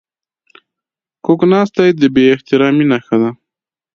کوږ ناستی د بې احترامي نښه ده